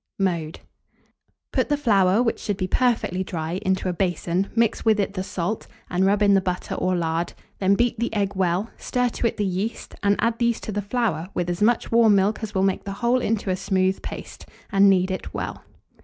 Mode. Put the flour (which should be perfectly dry) into a basin mix with it the salt, and rub in the butter or lard; then beat the egg well, stir to it the yeast, and add these to the flour with as much warm milk as will make the whole into a smooth paste, and knead it well.